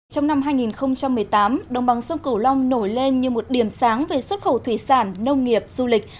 trong năm hai nghìn một mươi tám đồng bằng sông cửu long nổi lên như một điểm sáng về xuất khẩu thủy sản nông nghiệp du lịch